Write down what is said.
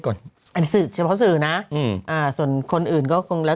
คราวสื่อนะส่วนคนอื่นก็คง